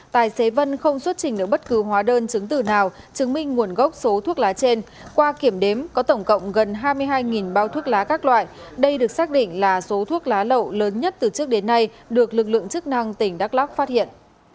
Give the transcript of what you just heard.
tài xế vân không xuất trình được bất cứ hóa đơn chứng tử nào chứng minh nguồn gốc số thuốc lá trên qua kiểm đếm có tổng cộng gần hai mươi hai bao thuốc lá các loại đây được xác định là số thuốc lá lậu lớn nhất từ trước đến nay được lực lượng chức năng tỉnh đắk lắc phát hiện